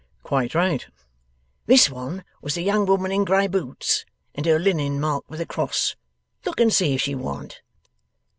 'Quite right.' 'This one was the young woman in grey boots, and her linen marked with a cross. Look and see if she warn't.